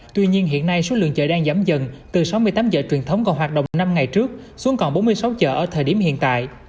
tuy nhiên hiện nay số lượng chợ đang giảm dần từ sáu mươi tám chợ truyền thống còn hoạt động năm ngày trước xuống còn bốn mươi sáu chợ ở thời điểm hiện tại